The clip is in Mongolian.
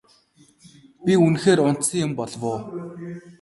Би үнэхээр унтсан юм болов уу?